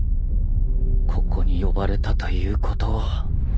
ここに呼ばれたということは